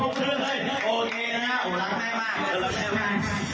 โอเคข้าอาจรับแม่มาก